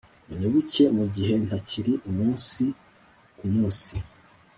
unyibuke mugihe ntakiri umunsi kumunsi